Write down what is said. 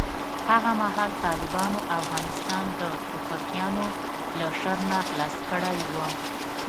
هغه مهال طالبانو افغانستان د ټوپکیانو له شر نه خلاص کړی و.